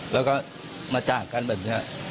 แล้วก็มาจากกันแบบนี้